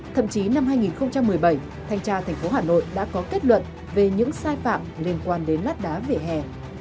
thậm chí năm hai nghìn một mươi bảy thanh tra thành phố hà nội đã có kết luận về những sai phạm liên quan đến lát đá vỉa hè